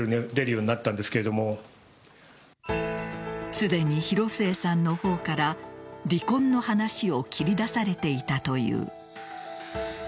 すでに広末さんの方から離婚の話を切り出されていたという。